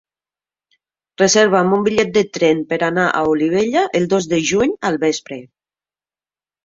Reserva'm un bitllet de tren per anar a Olivella el dos de juny al vespre.